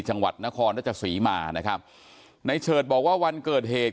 จังหวัดนครราชสีมานะครับในเฉิดบอกว่าวันเกิดเหตุ